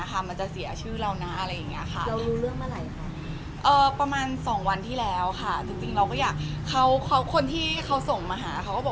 พอมาเจออย่างนี้มันมีเหมือนการเรียกร้านห้องต่าง